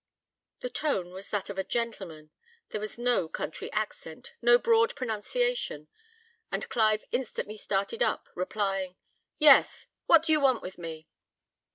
The tone was that of a gentleman: there was no country accent, no broad pronunciation; and Clive instantly started up, replying, "Yes; what do you want with me?"